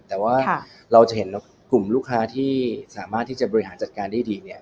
แต่ว่าเราจะเห็นว่ากลุ่มลูกค้าที่สามารถที่จะบริหารจัดการได้ดีเนี่ย